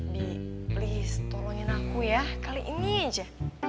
di please tolongin aku ya kali ini aja